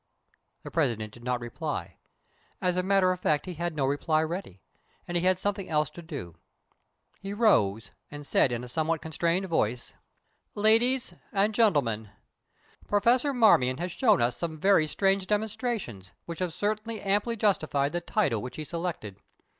The President did not reply. As a matter of fact, he had no reply ready, and he had something else to do. He rose, and said in a somewhat constrained voice: "Ladies and gentlemen, Professor Marmion has shown us some very strange demonstrations which have certainly amply justified the title which he selected.